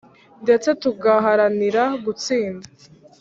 ndetse tugaharanira gutsinda